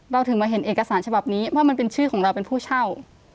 ถึงมาเห็นเอกสารฉบับนี้เพราะมันเป็นชื่อของเราเป็นผู้เช่า